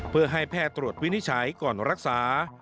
เพื่อให้แพทย์ตรวจวินิจฉัยก่อนรักษา